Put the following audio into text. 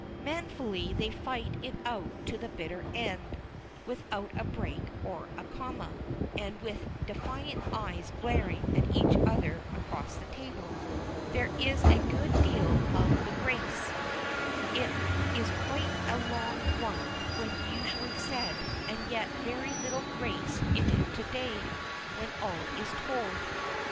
Manfully they fight it out to the bitter end, without a break or a comma, and with defiant eyes glaring at each other across the table. There is a good deal of the grace; it is quite a long one when usually said, and yet very little grace in it to day, when all is told.